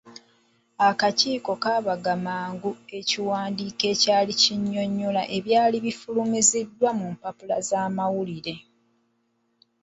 Akakiiko kaabaga mangu ekiwandiiko ekinnyonnyola ebyali bifulumiziddwa mu mpapula z’amawulire.